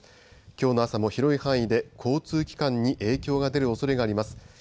きょうの朝も広い範囲で交通機関に影響が出るおそれがあります。